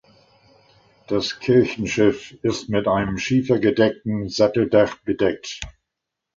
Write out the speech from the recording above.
Das Kirchenschiff ist mit einem schiefergedecktem Satteldach bedeckt.